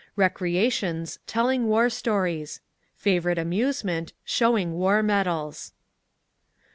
recreations, telling war stories; favorite amusement, showing war medals.